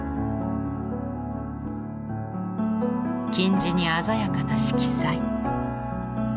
金地に鮮やかな色彩。